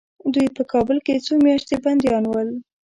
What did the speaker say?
دوی په کابل کې څو میاشتې بندیان ول.